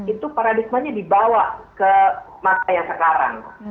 itu paradigmanya dibawa ke masa yang sekarang